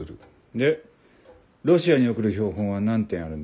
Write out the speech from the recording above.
でロシアに送る標本は何点あるんだ？